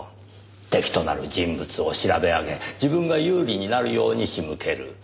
敵となる人物を調べ上げ自分が有利になるように仕向ける。